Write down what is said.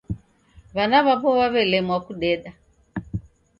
W'ana w'apo w'aw'elemwa kudeda.